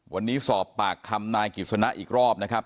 วันนี้สอบปากคำนายกิจสนะอีกรอบนะครับ